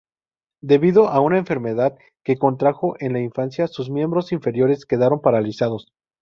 Debido a una enfermedad que contrajo en la infancia sus miembros inferiores quedaron paralizados.